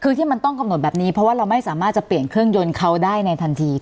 คือที่มันต้องกำหนดแบบนี้เพราะว่าเราไม่สามารถจะเปลี่ยนเครื่องยนต์เขาได้ในทันที